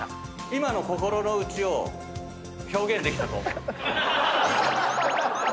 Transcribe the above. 今の心の内を表現できたと思う。